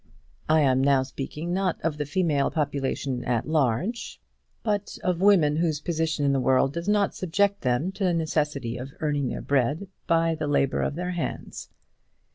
I am now speaking, not of the female population at large, but of women whose position in the world does not subject them to the necessity of earning their bread by the labour of their hands.